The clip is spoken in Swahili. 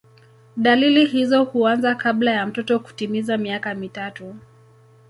Dalili hizo huanza kabla ya mtoto kutimiza miaka mitatu.